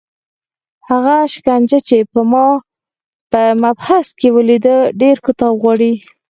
هغه شکنجه چې ما په محبس کې ولیده ډېر کتاب غواړي.